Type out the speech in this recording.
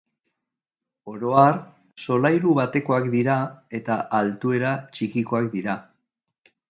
Oro har, solairu batekoak dira eta altuera txikikoak dira.